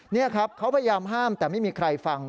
นี่ครับเขาพยายามห้ามแต่ไม่มีใครฟัง